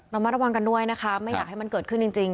มาระวังกันด้วยนะคะไม่อยากให้มันเกิดขึ้นจริง